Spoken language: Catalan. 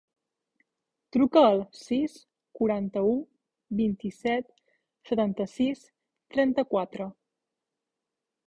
Truca al sis, quaranta-u, vint-i-set, setanta-sis, trenta-quatre.